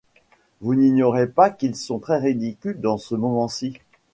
Vous n’ignorez pas qu’ils sont très ridicules dans ce moment-ci.